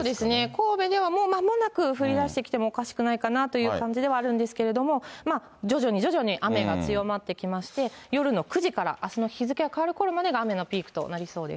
神戸ではもうまもなく降り出してきてもおかしくないかなという感じではあるんですけれども、徐々に徐々に雨が強まってきまして、夜の９時からあすの日付が変わるころまでが雨のピークとなりそうです。